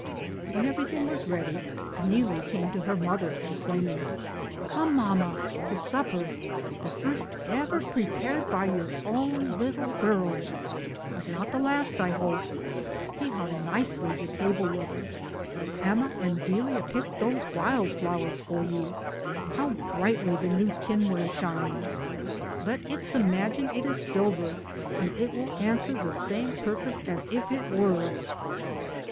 When everything was ready, Neelie came to her mother exclaiming, "Come, mamma, DAYS ON THE ROAD. i to supper, the first ever prepared by your own little girl, but not the last I hope, see how nicely the table looks, Emma and Delia picked those wild flowers for you, how brightly the new tinware shines, let us imag ine it is silver and it will answer the same purpose as if it were."